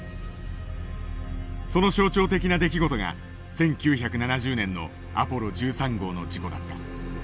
その象徴的な出来事が１９７０年のアポロ１３号の事故だった。